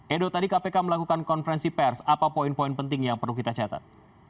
edo tadi kpk melakukan konferensi pers apa poin poin penting yang perlu kita catat